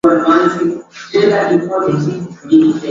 meli ya nchini malaysia iliwasiri kutoka china